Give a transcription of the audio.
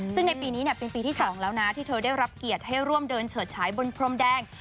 ซึ่งในปีนี้เป็นปีที่๒แล้วนะที่เธอได้รับเกียรติให้ร่วมเดินเฉิดฉายบนพรมแดง